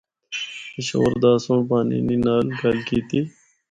ایشور داس سنڑ پانینی نال گل کیتی۔